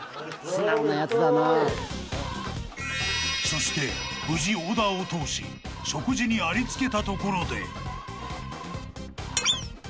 ［そして無事オーダーを通し食事にありつけたところで］